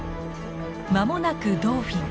間もなくドーフィン。